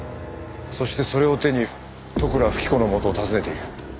そしてそれを手に利倉富貴子の元を訪ねている。